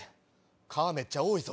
蚊めっちゃ多いぞ。